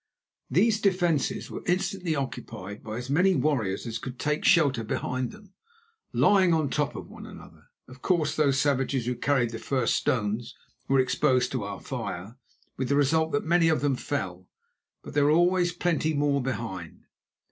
These defences were instantly occupied by as many warriors as could take shelter behind them, lying one on top of the other. Of course, those savages who carried the first stones were exposed to our fire, with the result that many of them fell, but there were always plenty more behind.